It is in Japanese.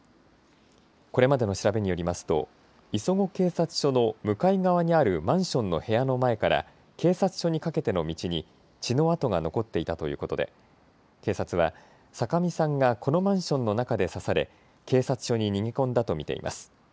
これまでの調べによりますと磯子警察署の向かい側にあるマンションの部屋の前から警察署にかけての道に血の跡が残っていたということで警察は酒見さんがこのマンションの中で刺され警察署に逃げ込んだと見ています。